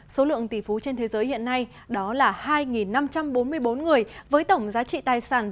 số lượng tỷ phú trên thế giới hiện nay đó là hai năm trăm bốn mươi bốn người với tổng giá trị tài sản